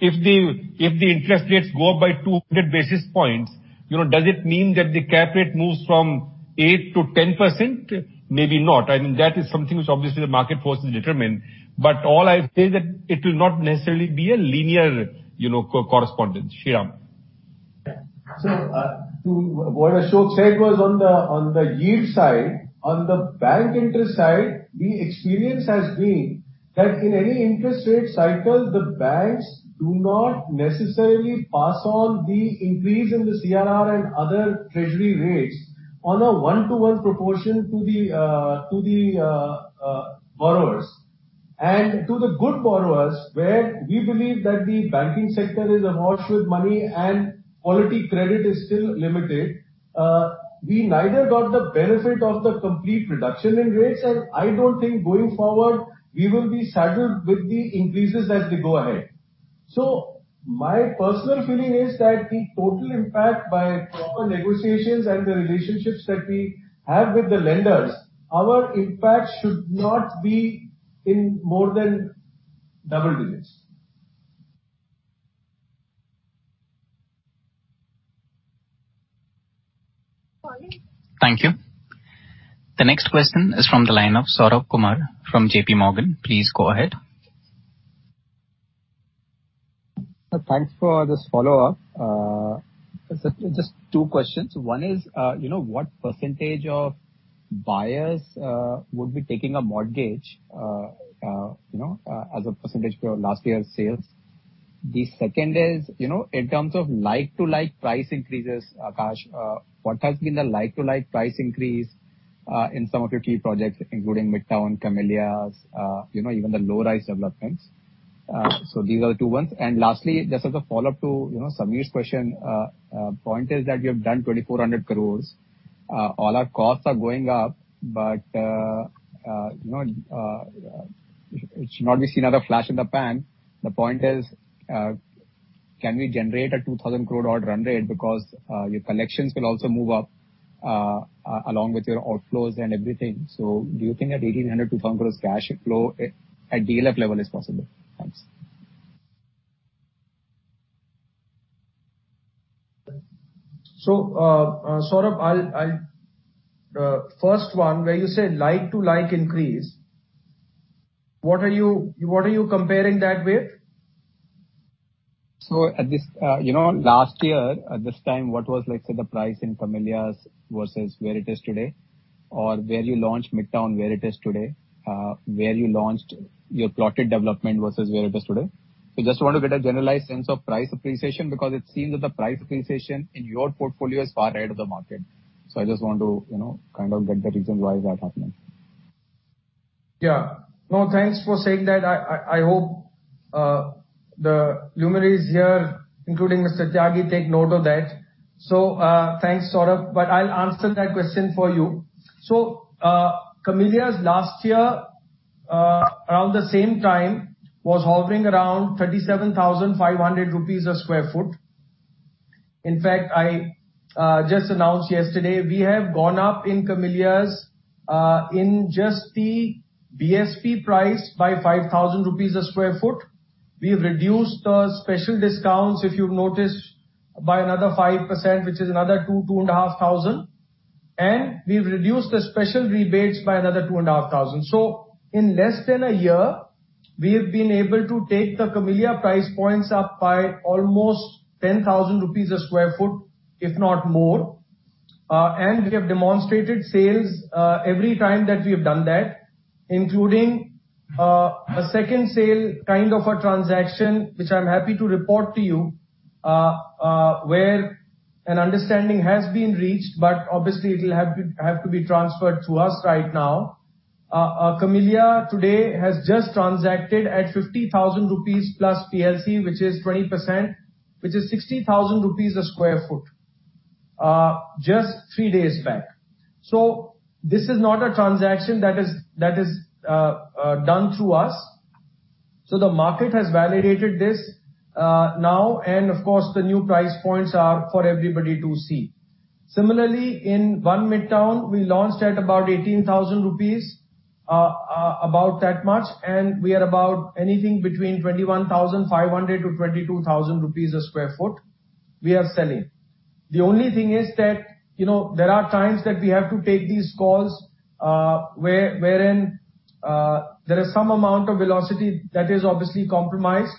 if the interest rates go up by 200 basis points, you know, does it mean that the cap rate moves from 8%-10%? Maybe not. I mean, that is something which obviously the market forces determine. All I say that it will not necessarily be a linear, you know, correspondence. Sriram. To what Ashok said was on the yield side. On the bank interest side, the experience has been that in any interest rate cycle, the banks do not necessarily pass on the increase in the CRR and other treasury rates on a one-to-one proportion to the borrowers. To the good borrowers, where we believe that the banking sector is awash with money and quality credit is still limited, we neither got the benefit of the complete reduction in rates, and I don't think going forward, we will be saddled with the increases as we go ahead. My personal feeling is that the total impact by proper negotiations and the relationships that we have with the lenders, our impact should not be in more than double digits. Thank you. The next question is from the line of Saurabh Kumar from JPMorgan. Please go ahead. Thanks for this follow-up. Just two questions. One is, you know, what percentage of buyers would be taking a mortgage, you know, as a percentage of your last year's sales? The second is, you know, in terms of like-for-like price increases, Aakash, what has been the like-for-like price increase in some of your key projects, including Midtown, Camellias, you know, even the low-rise developments? These are the two ones. Lastly, just as a follow-up to, you know, Sameer's question, point is that you have done 2,400 crore. All our costs are going up. It should not be seen as a flash in the pan. The point is, can we generate a $2,000 crore run rate? Because your collections will also move up along with your outflows and everything. Do you think that 1,800 crore-2,000 crore cash flow at DLF level is possible? Saurabh, I'll first one, where you said like to like increase, what are you comparing that with? At this, you know, last year at this time, what was like, say, the price in Camellias versus where it is today or where you launched Midtown, where it is today, where you launched your plotted development versus where it is today. We just want to get a generalized sense of price appreciation, because it seems that the price appreciation in your portfolio is far ahead of the market. I just want to, you know, kind of get the reasons why is that happening. Yeah. No, thanks for saying that. I hope the luminaries here, including Mr. Tyagi, take note of that. Thanks, Saurabh, but I'll answer that question for you. Camellias last year, around the same time was hovering around 37,500 rupees a sq ft. In fact, I just announced yesterday we have gone up in Camellias, in just the BSP price by 5,000 rupees a sq ft. We've reduced the special discounts, if you've noticed, by another 5%, which is another 2,500. We've reduced the special rebates by another 2,500. In less than a year, we have been able to take the Camellias price points up by almost 10,000 rupees a sq ft, if not more. We have demonstrated sales every time that we have done that, including a second sale kind of a transaction, which I'm happy to report to you, where an understanding has been reached, but obviously it'll have to be transferred to us right now. The Camellias today has just transacted at 50,000 rupees plus PLC, which is 20%, which is 60,000 rupees a sq ft, just three days back. This is not a transaction that is done through us. The market has validated this now and of course, the new price points are for everybody to see. Similarly, in ONE Midtown, we launched at about 18,000 rupees, about that much, and we are about anything between 21,500 sq ft-INR 22,000 a sq ft we are selling. The only thing is that, you know, there are times that we have to take these calls, wherein there is some amount of velocity that is obviously compromised,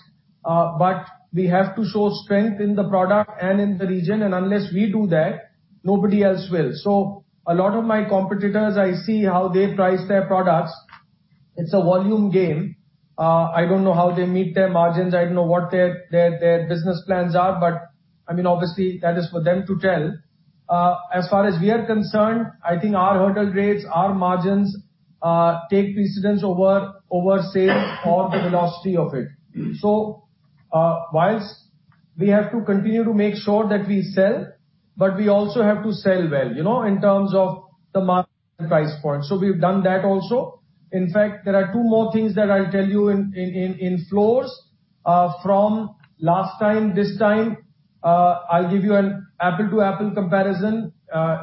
but we have to show strength in the product and in the region. Unless we do that, nobody else will. A lot of my competitors, I see how they price their products. It's a volume game. I don't know how they meet their margins. I don't know what their business plans are, but I mean, obviously that is for them to tell. As far as we are concerned, I think our hurdle rates, our margins, take precedence over sales or the velocity of it. While we have to continue to make sure that we sell, but we also have to sell well, you know, in terms of the market price point. We've done that also. In fact, there are two more things that I'll tell you in floors from last time, this time, I'll give you an apples-to-apples comparison.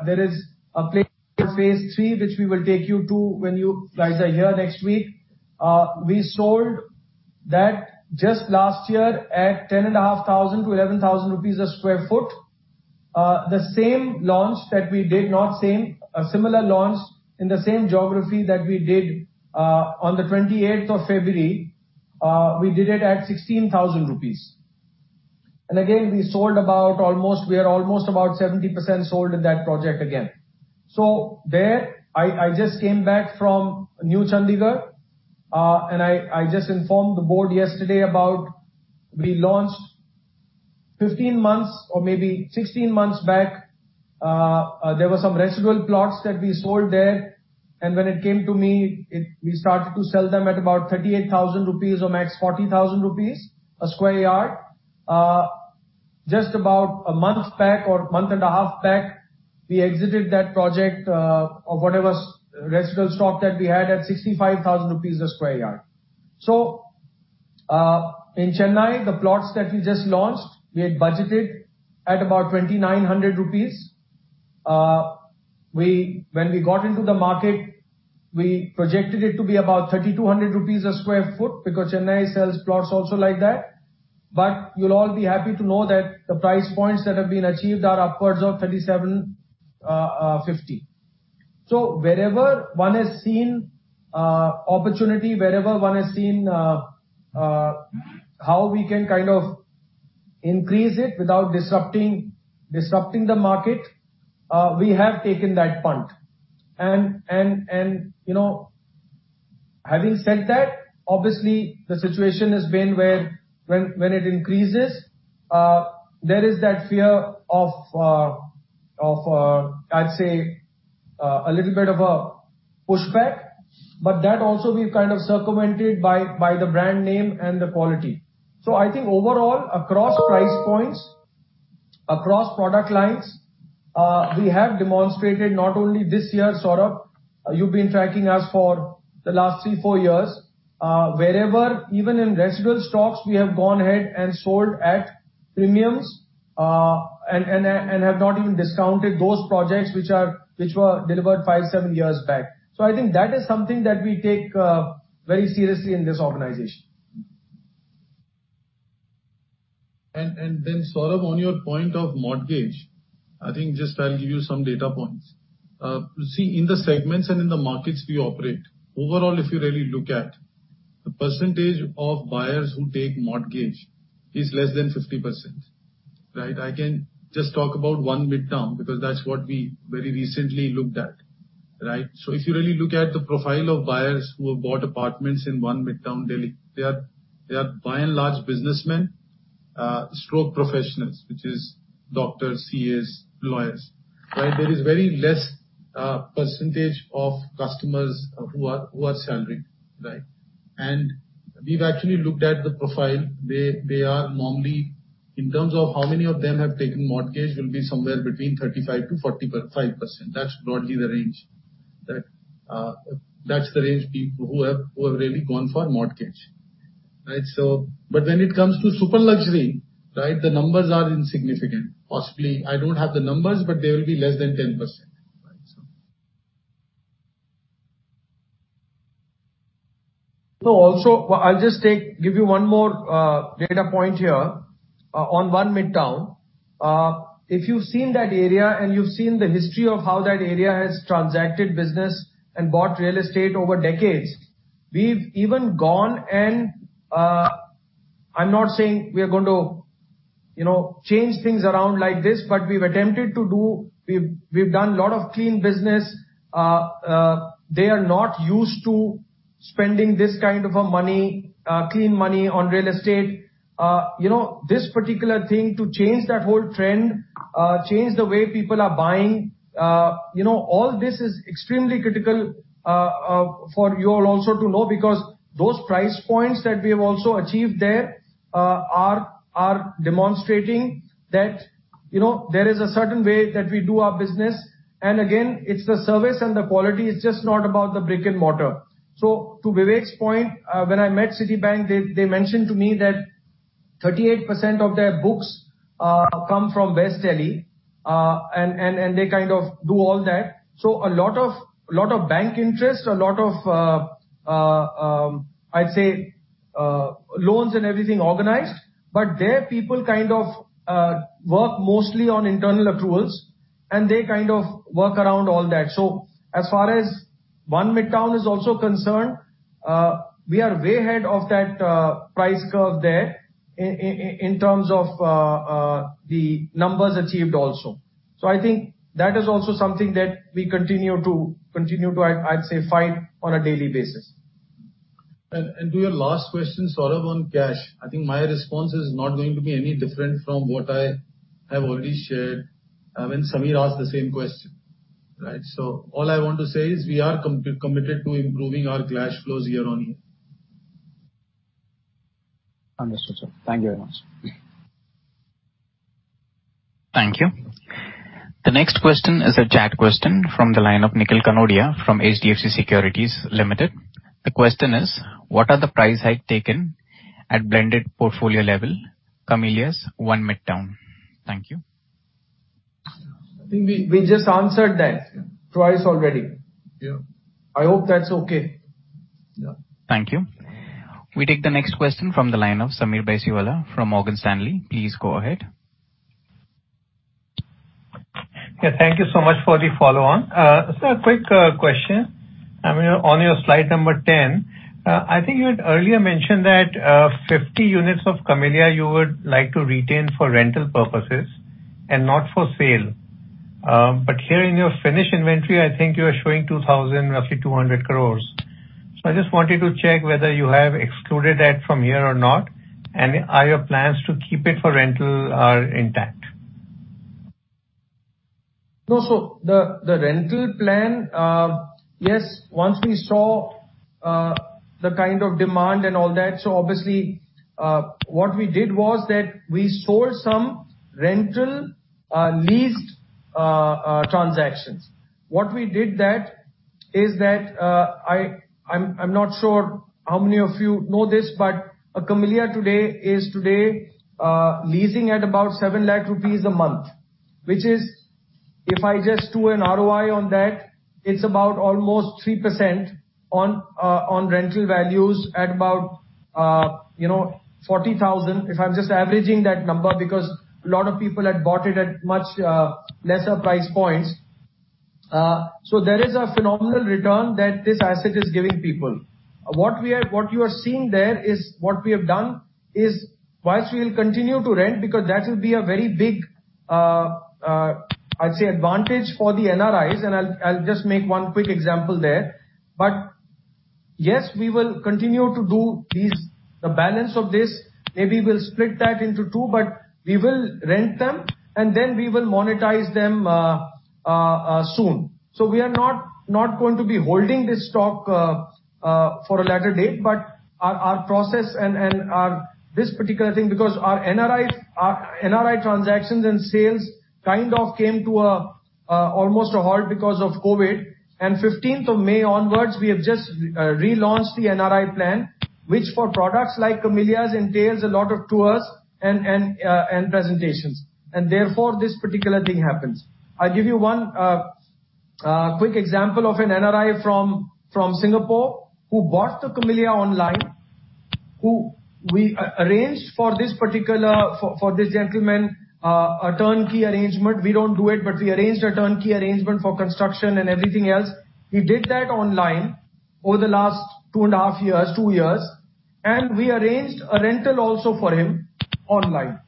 There is a place in Phase III, which we will take you to when you guys are here next week. We sold that just last year at 10,500 sq ft-INR 11,000 per sq ft. A similar launch in the same geography that we did, on the February 28th, we did it at 16,000 rupees. Again, we sold almost 70% in that project again. I just came back from New Chandigarh, and I just informed the board yesterday about we launched 15 months or maybe 16 months back, there were some residual plots that we sold there. When it came to me, we started to sell them at about 38,000 rupees or max 40,000 rupees a sq yard. Just about a month back or month and a half back, we exited that project, or whatever residual stock that we had at 65,000 rupees a sq yard. In Chennai, the plots that we just launched, we had budgeted at about 2,900 rupees. We, when we got into the market, we projected it to be about 3,200 rupees a sq ft because Chennai sells plots also like that. You'll all be happy to know that the price points that have been achieved are upwards of 3,750. Wherever one has seen opportunity, wherever one has seen how we can kind of increase it without disrupting the market, we have taken that punt. You know, having said that, obviously the situation has been where when it increases, there is that fear of, I'd say, a little bit of a pushback, but that also we've kind of circumvented by the brand name and the quality. I think overall across price points, across product lines, we have demonstrated not only this year, Saurabh. You've been tracking us for the last three years to four years, wherever, even in residual stocks, we have gone ahead and sold at premiums and have not even discounted those projects which were delivered five years to seven years back. I think that is something that we take very seriously in this organization. Saurabh, on your point of mortgage, I think just I'll give you some data points. You see, in the segments and in the markets we operate, overall if you really look at the percentage of buyers who take mortgage is less than 50%, right? I can just talk about ONE Midtown, because that's what we very recently looked at, right? If you really look at the profile of buyers who have bought apartments in ONE Midtown Delhi, they are by and large businessmen stroke professionals, which is doctors, CAs, lawyers, right? There is very less percentage of customers who are salaried, right? We've actually looked at the profile. They are normally in terms of how many of them have taken mortgage will be somewhere between 35%-45%. That's broadly the range people who have really gone for mortgage, right? When it comes to super luxury, right, the numbers are insignificant. Possibly I don't have the numbers, but they will be less than 10%. Right, so. No, also, I'll just give you one more data point here on ONE Midtown. If you've seen that area and you've seen the history of how that area has transacted business and bought real estate over decades, we've even gone and I'm not saying we are going to, you know, change things around like this, but we've attempted to do. We've done a lot of clean business. They are not used to spending this kind of a money, clean money on real estate. You know, this particular thing to change that whole trend, change the way people are buying, you know, all this is extremely critical for you all also to know, because those price points that we have also achieved there are demonstrating that, you know, there is a certain way that we do our business. Again, it's the service and the quality. It's just not about the brick and mortar. To Vivek's point, when I met Citibank, they mentioned to me that 38% of their books come from West Delhi, and they kind of do all that. A lot of bank interest, a lot of loans and everything organized, but their people kind of work mostly on internal accruals, and they kind of work around all that. As far as ONE Midtown is also concerned, we are way ahead of that price curve there in terms of the numbers achieved also. I think that is also something that we continue to, I'd say, fight on a daily basis. To your last question, Saurabh, on cash, I think my response is not going to be any different from what I have already shared when Sameer asked the same question, right? All I want to say is we are committed to improving our cash flows year-on-year. Understood, sir. Thank you very much. Thank you. The next question is a chat question from the line of Nikhil Kanodia from HDFC Securities Limited. The question is, "What are the price hikes taken at blended portfolio level, Camellias, ONE Midtown?" Thank you. I think we just answered that twice already. Yeah. I hope that's okay. Yeah. Thank you. We take the next question from the line of Sameer Baisiwala from Morgan Stanley. Please go ahead. Yeah. Thank you so much for the follow-on. Sir, quick question. I mean, on your slide number 10, I think you had earlier mentioned that 50 units of Camellias you would like to retain for rental purposes and not for sale. But here in your finished inventory, I think you are showing roughly 2,200 crores. So I just wanted to check whether you have excluded that from here or not, and are your plans to keep it for rental are intact? No. The rental plan, yes, once we saw the kind of demand and all that, obviously, what we did was that we sold some rental leased transactions. What we did is that, I'm not sure how many of you know this, but The Camellias today is leasing at about 7 lakh rupees a month, which is if I just do an ROI on that, it's about almost 3% on rental values at about, you know, 40,000, if I'm just averaging that number, because a lot of people had bought it at much lesser price points. There is a phenomenal return that this asset is giving people. What you are seeing there is what we have done is while we will continue to rent, because that will be a very big, I'd say advantage for the NRIs, and I'll just make one quick example there. Yes, we will continue to do these, the balance of this. Maybe we'll split that into two, but we will rent them and then we will monetize them soon. We are not going to be holding this stock for a later date. Our process and this particular thing, because our NRI transactions and sales kind of came to almost a halt because of COVID. May 15th onwards, we have just relaunched the NRI plan, which for products like Camellias entails a lot of tours and presentations, and therefore this particular thing happens. I'll give you one quick example of an NRI from Singapore who bought the Camellias online, who we arranged for this gentleman a turnkey arrangement. We don't do it, but we arranged a turnkey arrangement for construction and everything else. He did that online over the last two and a half years, and we arranged a rental also for him online.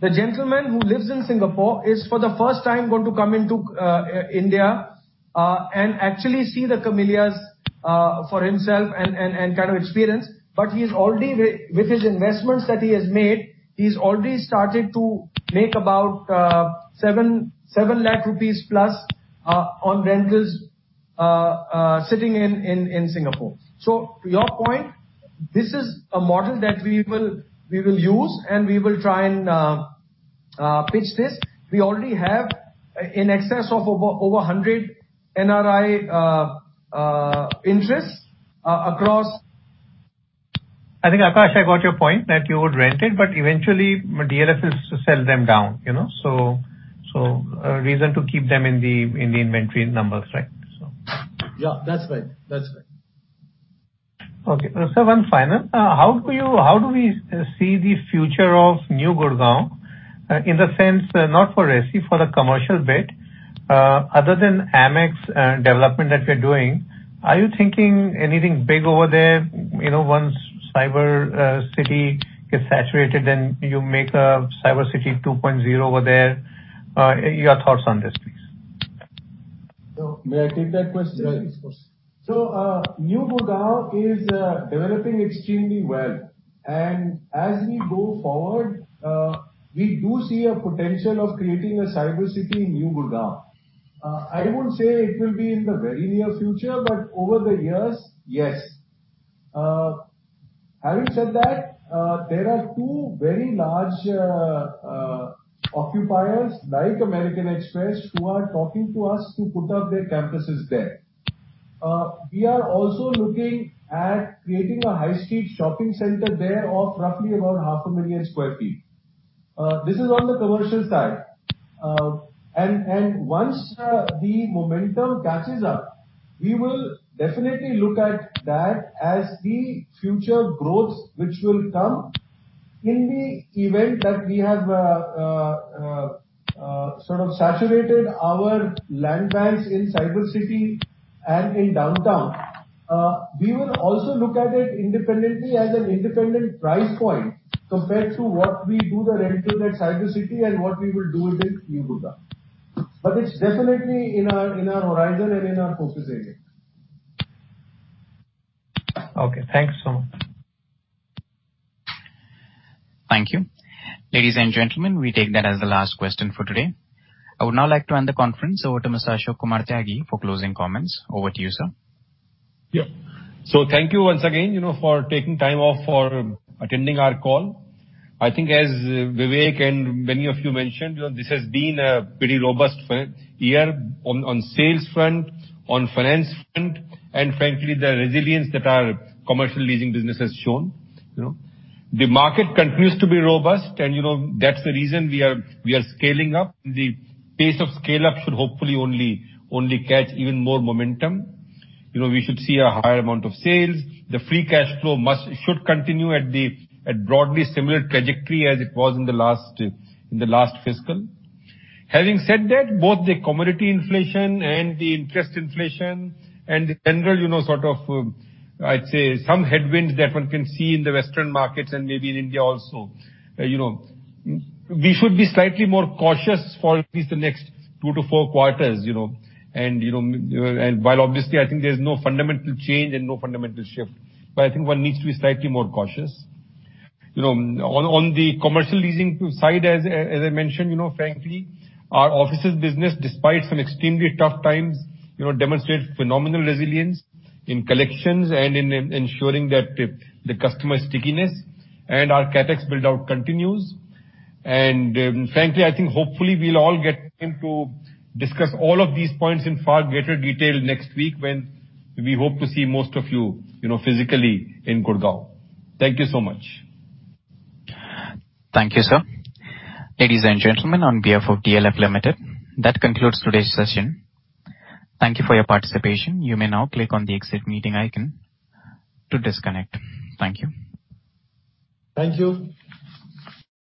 The gentleman who lives in Singapore is for the first time going to come into India and actually see the Camellias for himself and kind of experience. He's already with his investments that he has made, he's already started to make about 7 lakh rupees plus on rentals sitting in Singapore. To your point, this is a model that we will use, and we will try and pitch this. We already have in excess of over a hundred NRI interests across- I think, Aakash, I got your point that you would rent it, but eventually DLF is to sell them down, you know. A reason to keep them in the inventory numbers, right? Yeah, that's right. Okay. Sir, one final. How do we see the future of New Gurgaon, in the sense, not for RESI, for the commercial bit, other than AMEX development that we're doing. Are you thinking anything big over there, you know, once Cybercity gets saturated, then you make a Cybercity 2.0 over there? Your thoughts on this please. So- May I take that question? Yeah, of course. New Gurgaon is developing extremely well. As we go forward, we do see a potential of creating a Cybercity in New Gurgaon. I won't say it will be in the very near future, but over the years, yes. Having said that, there are two very large occupiers like American Express who are talking to us to put up their campuses there. We are also looking at creating a high street shopping center there of roughly about 500,000 sq ft. This is on the commercial side. Once the momentum catches up, we will definitely look at that as the future growth which will come in the event that we have sort of saturated our land banks in Cybercity and in Downtown. We will also look at it independently as an independent price point compared to what we do the rental at Cybercity and what we will do it in New Gurgaon. It's definitely in our horizon and in our focus area. Okay. Thanks so much. Thank you. Ladies and gentlemen, we take that as the last question for today. I would now like to hand the conference over to Mr. Ashok Kumar Tyagi for closing comments. Over to you, sir. Yeah. Thank you once again, you know, for taking time off for attending our call. I think as Vivek and many of you mentioned, you know, this has been a pretty robust FY year on sales front, on finance front, and frankly, the resilience that our commercial leasing business has shown, you know. The market continues to be robust and, you know, that's the reason we are scaling up. The pace of scale-up should hopefully only catch even more momentum. You know, we should see a higher amount of sales. The free cash flow should continue at broadly similar trajectory as it was in the last fiscal. Having said that, both the commodity inflation and the interest inflation and the general, you know, sort of, I'd say some headwinds that one can see in the Western markets and maybe in India also. You know, we should be slightly more cautious for at least the next two to four quarters, you know. You know, and while obviously I think there's no fundamental change and no fundamental shift, but I think one needs to be slightly more cautious. You know, on the commercial leasing side, as I mentioned, you know, frankly, our offices business, despite some extremely tough times, you know, demonstrate phenomenal resilience in collections and in ensuring that the customer stickiness and our CapEx build-out continues. Frankly, I think hopefully we'll all get time to discuss all of these points in far greater detail next week when we hope to see most of you know, physically in Gurgaon. Thank you so much. Thank you, sir. Ladies and gentlemen, on behalf of DLF Limited, that concludes today's session. Thank you for your participation. You may now click on the Exit Meeting icon to disconnect. Thank you. Thank you.